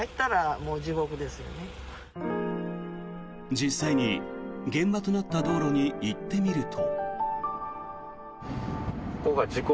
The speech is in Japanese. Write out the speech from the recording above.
実際に現場となった道路に行ってみると。